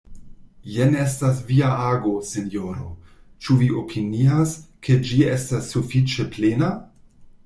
Jen estas via ago, sinjoro: ĉu vi opinias, ke ĝi estas sufiĉe plena?